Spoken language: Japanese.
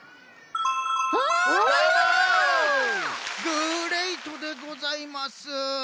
グレイトでございます！